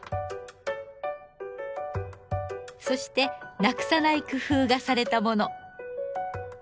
そしてなくさない工夫がされたもの。